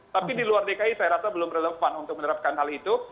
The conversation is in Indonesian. tapi di luar dki saya rasa belum relevan untuk menerapkan hal itu